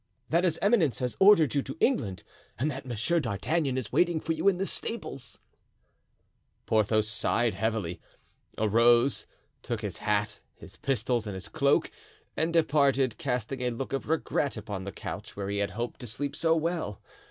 "That his eminence has ordered you to England and that Monsieur d'Artagnan is waiting for you in the stables." Porthos sighed heavily, arose, took his hat, his pistols, and his cloak, and departed, casting a look of regret upon the couch where he had hoped to sleep so well.